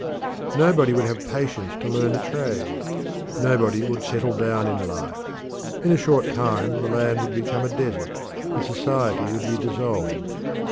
Nobody would have patience to learn a trade; nobody would settle down in life. In a short time the land would become a desert, and society would be dissolved.